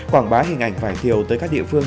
quảng bá hình ảnh vải thiều tới các địa phương